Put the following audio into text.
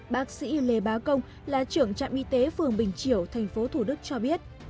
bác sĩ lê bá công là trưởng trạm y tế phường bình triểu thành phố thủ đức cho biết